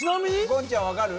言ちゃん分かる？